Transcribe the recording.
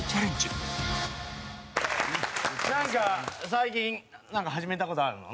最近なんか始めた事あるの？